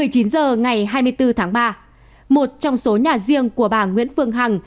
một mươi chín h ngày hai mươi bốn tháng ba một trong số nhà riêng của bà nguyễn phương hằng